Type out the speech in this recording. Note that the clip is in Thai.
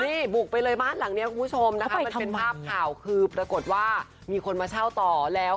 นี่บุกไปเลยบ้านหลังนี้คุณผู้ชมนะคะมันเป็นภาพข่าวคือปรากฏว่ามีคนมาเช่าต่อแล้ว